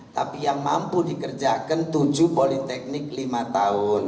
tapi yang mampu dikerjakan tujuh politeknik lima tahun